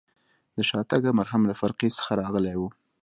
د شاتګ امر هم له فرقې څخه راغلی و.